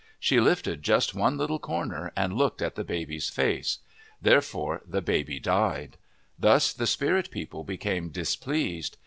She lifted just one little cor ner and looked at the baby's face. Therefore the baby died. Thus the spirit people became displeased.